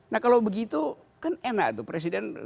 nah kalau begitu kan enak tuh presiden